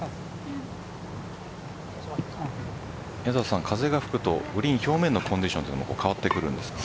宮里さん、風が吹くとグリーン表面のコンディションは変わってきますか。